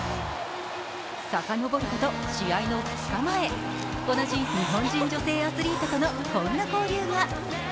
さかのぼること試合の２日前、同じ日本人女性アスリートとのこんな交流が。